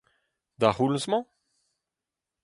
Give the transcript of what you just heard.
D'ar c'houlz-mañ ?